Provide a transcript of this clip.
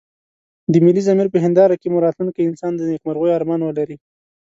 د ملي ضمير په هنداره کې مو راتلونکی انسان د نيکمرغيو ارمان ولري.